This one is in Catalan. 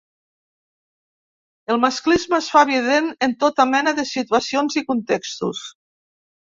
El masclisme es fa evident en tota mena de situacions i contextos.